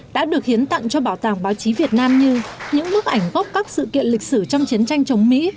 đã được hiến tặng cho bảo tàng báo chí việt nam như những bức ảnh gốc các sự kiện lịch sử trong chiến tranh chống mỹ